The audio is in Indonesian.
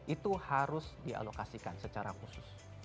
itu harus dialokasikan secara khusus